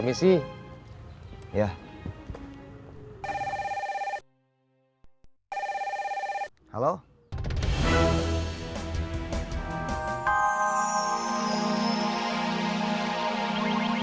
biasanya ada apa apa